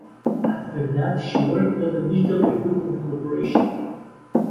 After that she worked at the Digital Equipment Corporation.